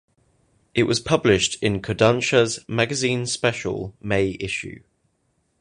It was published in Kodansha's "Magazine Special" May issue.